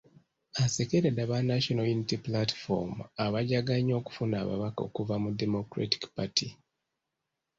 Asekeredde aba National Unity Platform abajaganya okufuna ababaka okuva mu Democratic Party.